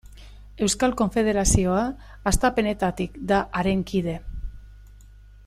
Euskal Konfederazioa hastapenetik da haren kide.